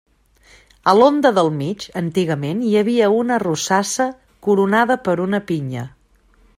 A l'onda del mig, antigament hi havia una rosassa coronada per una pinya.